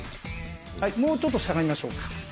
はいもうちょっとしゃがみましょうか。